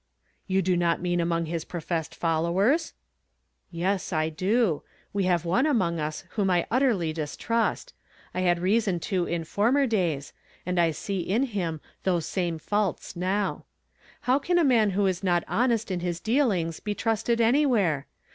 "You do not mean among his professed fol owers ?"" Yea, I do ; we have one among us whom I utterly distrust. I had reason to in former days. r f 264 YESTERDAY FRAMED IN TO DAY. and I see in him those same faults now. How can a man who is not honest in his dealincrs be trusted anywhere?